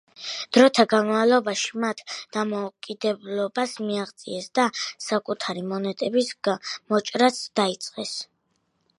დროთა განმავლობაში მათ დამოუკიდებლობას მიაღწიეს და საკუთარი მონეტების მოჭრაც დაიწყეს.